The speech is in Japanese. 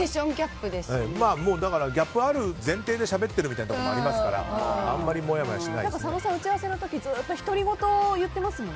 だからギャップがある前提でしゃべってるとこありますから佐野さん、打ち合わせの時ずっと、ひとり言言っていますもんね。